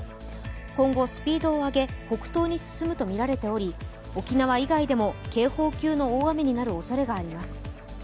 今後、スピードを上げ北東に進むとみられており沖縄以外でも警報級の大雨になるおそれがあります。